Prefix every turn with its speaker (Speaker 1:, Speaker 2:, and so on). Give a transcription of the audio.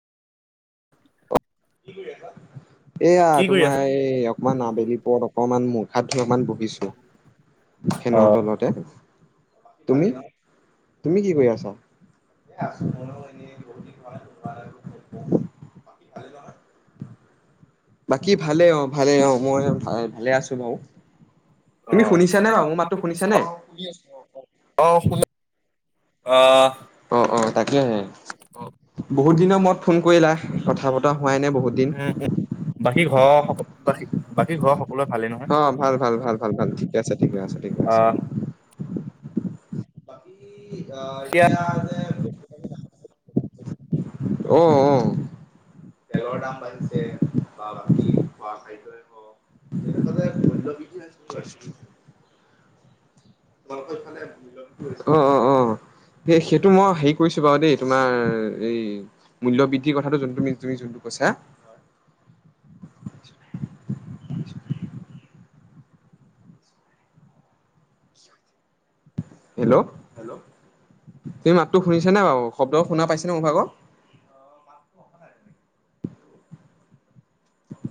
Speaker 1: অঁ এয়া
Speaker 2: কি কৰি
Speaker 1: তোমাৰ
Speaker 2: আছা?
Speaker 1: এই অকমান আবেলি পৰত অকমান মূঠ। হাত ধান বহত দিছো ফেনৰ
Speaker 2: অ'।
Speaker 1: তলতে। তুমি তুমি কি কৰি আছ? [inaudible] বাকী ভালে অঁ ভালে অঁ মই ভাল ভালে আছো বাৰু তুমি
Speaker 2: অ',
Speaker 1: শুনিছা নে বাৰু মোৰ মাতো শুনিছা নে?
Speaker 2: আহঁ
Speaker 1: অঁ তাকে আহে বহুত দিনৰ মৰত ফোন কৰিলা কথা বতৰা হোৱাই নে বহুত দিন,
Speaker 2: উম, উম, বাকী
Speaker 1: অঁ
Speaker 2: ঘৰৰ বাকী বাকী
Speaker 1: ভাল,
Speaker 2: ঘৰৰ সকলোৱে ভালেই নহয়?
Speaker 1: ভাল, ভাল, ভাল ভাল ঠিকে, আছে ঠিকে, আছে আছে।
Speaker 2: আহ
Speaker 1: এতিয়া আহ আহ তেলৰ দাম বাঢ়িছে বা বাকী খোৱা খাদ্যই হ ম অঁ অঁ অঁ সেই সেইটো মই হেৰি কৰিছো বাৰু দেই তোমাৰ এই মূল্য বৃদ্ধিৰ কথাটো যোনটো তুমি যোনটো কৈছা। হেল্লে, তুমি মাতটো শুনিছা নে বাৰু শব্দ শুনা পাইছনে মোৰ ভাগৰ